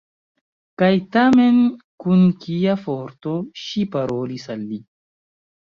Kaj tamen kun kia forto ŝi parolis al li!